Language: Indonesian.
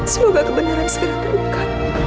semoga kebenaran saya terluka